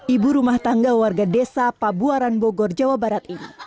ibu rumah tangga warga desa pabuaran bogor jawa barat ini